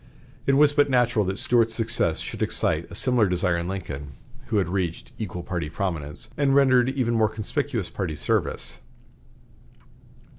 It was but natural that Stuart's success should excite a similar desire in Lincoln, who had reached equal party prominence, and rendered even more conspicuous party service.